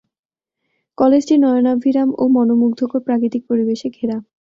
কলেজটি নয়নাভিরাম ও মনোমুগ্ধকর প্রাকৃতিক পরিবেশে ঘেরা।